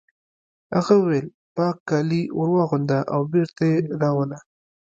هغه وویل پاک کالي ور واغونده او بېرته یې راوله